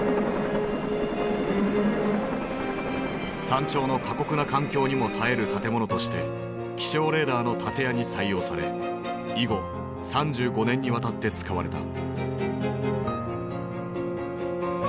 山頂の過酷な環境にも耐える建物として気象レーダーの建屋に採用され以後３５年にわたって使われた。